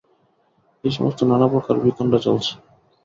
এই সমস্ত নানাপ্রকার বিতণ্ডা চলছে।